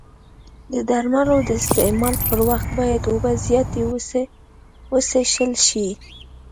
د درملو د استعمال پر وخت باید اوبه زیاتې وڅښل شي.